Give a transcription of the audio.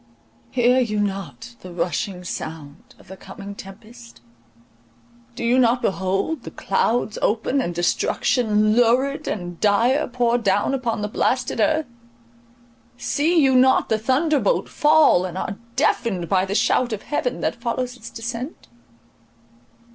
Hear you not the rushing sound of the coming tempest? Do you not behold the clouds open, and destruction lurid and dire pour down on the blasted earth? See you not the thunderbolt fall, and are deafened by the shout of heaven that follows its descent?